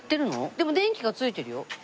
でも電気がついてるよ。